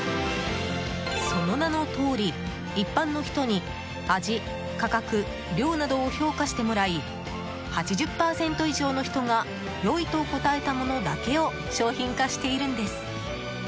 その名のとおり、一般の人に味、価格、量などを評価してもらい８０％以上の人が良いと答えたものだけを商品化しているんです。